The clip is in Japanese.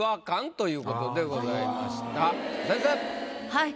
はい。